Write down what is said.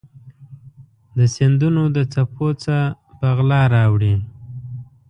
د سیندونو د څپو څه په غلا راوړي